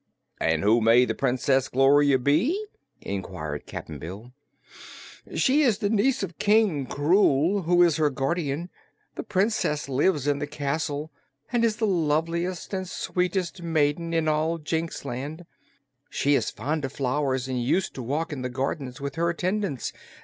"And who may the Princess Gloria be?" inquired Cap'n Bill. "She is the niece of King Krewl, who is her guardian. The Princess lives in the castle and is the loveliest and sweetest maiden in all Jinxland. She is fond of flowers and used to walk in the gardens with her attendants.